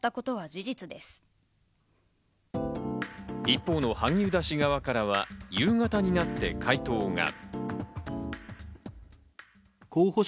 一方の萩生田氏側からは、夕方になって回答が。